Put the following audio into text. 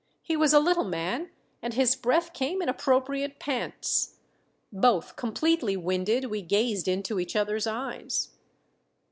He was a little man, and his breath came in appropriate pants. Both completely winded, we gazed into each other's eyes.